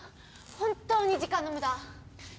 本当に時間の無駄。